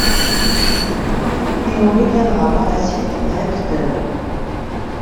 Il en deviendra par la suite recteur.